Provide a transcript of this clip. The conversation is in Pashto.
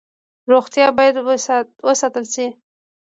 روغتیا باید وساتل شي